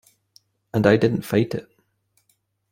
And I didn't fight it.